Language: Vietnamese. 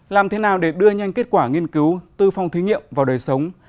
làm thế nào để đưa nhanh kết quả nghiên cứu tư phong thí nghiệm vào đời sống